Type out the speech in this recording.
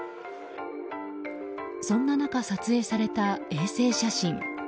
そんな中、撮影された衛星写真。